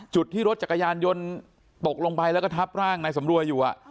จุดที่รถจักรยานยนต์ตกลงไปแล้วก็ทับร่างนายสำรวยอยู่